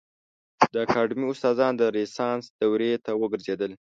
د اکاډمي استادان د رنسانس دورې ته وګرځېدل.